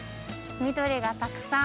緑がたくさん！